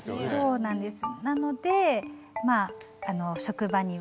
そうなんです。